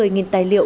của cơ quan tổ chức